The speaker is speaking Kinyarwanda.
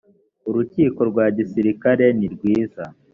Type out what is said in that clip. urukiko rwa gisirikare nirwiza